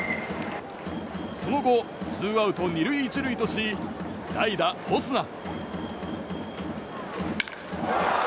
その後、ツーアウト２塁１塁とし代打、オスナ。